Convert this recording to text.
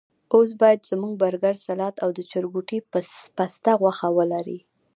اوس باید زموږ برګر، سلاد او د چرګوټي پسته غوښه ولري.